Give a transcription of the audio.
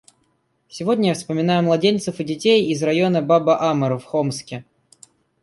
Сегодня я вспоминаю младенцев и детей из района Баба-Амр в Хомсе.